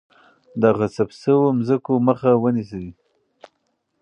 د غصب شوو ځمکو مخه ونیسئ.